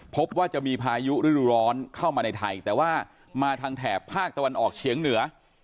พบว่าจะมีพายุฤดูร้อนเข้ามาในไทยแต่ว่ามาทางแถบภาคตะวันออกเฉียงเหนือ